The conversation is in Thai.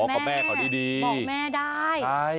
กับแม่เขาดีบอกแม่ได้